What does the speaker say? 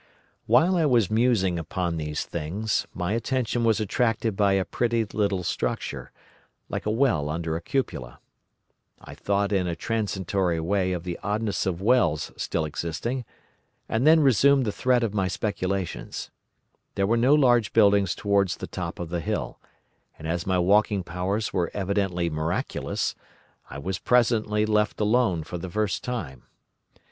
"While I was musing upon these things, my attention was attracted by a pretty little structure, like a well under a cupola. I thought in a transitory way of the oddness of wells still existing, and then resumed the thread of my speculations. There were no large buildings towards the top of the hill, and as my walking powers were evidently miraculous, I was presently left alone for the first time.